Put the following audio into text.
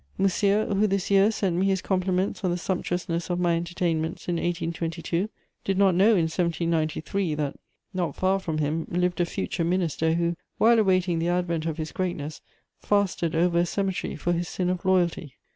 Monsieur, who this year sent me his compliments on the sumptuousness of my entertainments in 1822, did not know in 1793 that, not far from him, lived a future minister who, while awaiting the advent of his greatness, fasted over a cemetery for his sin of loyalty.